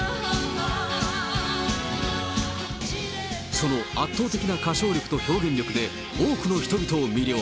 その圧倒的な歌唱力と表現力で多くの人々を魅了。